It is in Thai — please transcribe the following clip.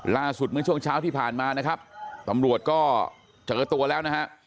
เมื่อช่วงเช้าที่ผ่านมานะครับตำรวจก็เจอตัวแล้วนะฮะ